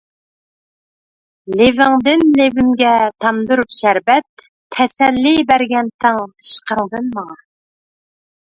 لېۋىڭدىن لېۋىمگە تامدۇرۇپ شەربەت، تەسەللى بەرگەنتىڭ ئىشقىڭدىن ماڭا.